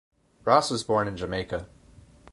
Ross was born in Jamaica.